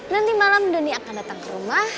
nanti malam doni akan datang ke rumah